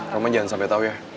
roman jangan sampe tau ya